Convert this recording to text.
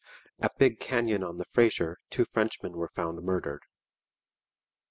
At Big Canyon on the Fraser two Frenchmen were found murdered.